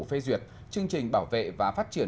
phê duyệt chương trình bảo vệ và phát triển